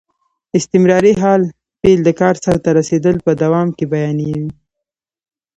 استمراري حال فعل د کار سرته رسېدل په دوام کې بیانیوي.